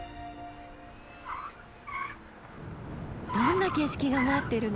どんな景色が待ってるの？